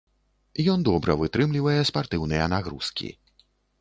Ён добра вытрымлівае спартыўныя нагрузкі.